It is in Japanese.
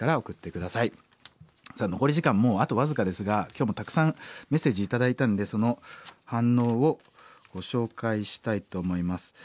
さあ残り時間もうあと僅かですが今日もたくさんメッセージ頂いたんでその反応をご紹介したいと思います。